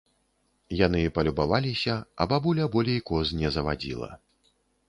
Яны палюбаваліся, а бабуля болей коз не завадзіла.